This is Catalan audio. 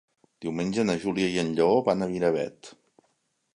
Diumenge na Júlia i en Lleó van a Miravet.